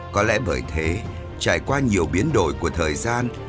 có lẽ bởi thế trải qua nhiều biến đổi của thời gian